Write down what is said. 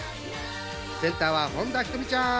センターは本田仁美ちゃん。